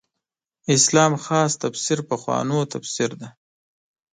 اسلام خاص تفسیر پخوانو تفسیر دی.